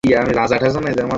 এক্ষুনি বাবাকে বলছি।